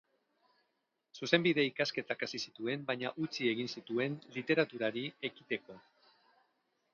Zuzenbide ikasketak hasi zituen, baina utzi egin zituen literaturari ekiteko.